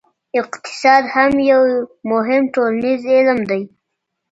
اقتصاد هم یو مهم ټولنیز علم دی.